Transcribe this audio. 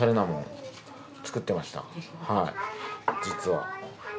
実は。